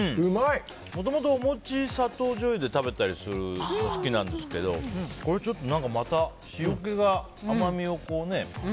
もともとお餅砂糖じょうゆで食べたりするの好きなんですけどこれまた塩気が甘みをね。